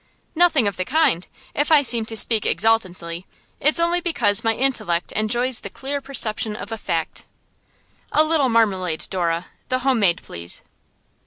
'Nothing of the kind. If I seem to speak exultantly it's only because my intellect enjoys the clear perception of a fact. A little marmalade, Dora; the home made, please.